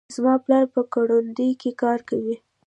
زما پلار په کروندې کې کار کوي.